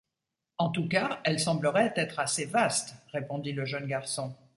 En tout cas, elle semblerait être assez vaste! répondit le jeune garçon.